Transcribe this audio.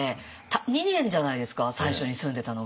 ２年じゃないですか最初に住んでたのが。